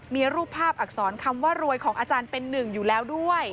มีรูปภาพอักษรคำว่ารวยของอาจารย์เป็นหนึ่งอยู่แล้วด้วย